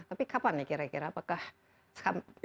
tapi kapan ya kira kira apakah sudah bisa diperhatikan